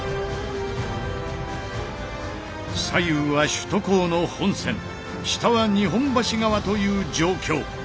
左右は首都高の本線下は日本橋川という状況。